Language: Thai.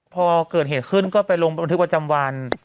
พอเกิดเหตุขึ้นก็ไปลงประมาทฤษฐ์ประจำวัน